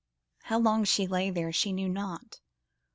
How long she lay there she knew not.